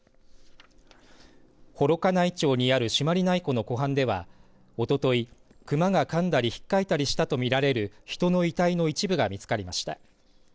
幌加内町にある朱鞠内湖の湖畔ではおととい熊がかんだりひっかいたりしたと見られる人の遺体の一部が見つかりました。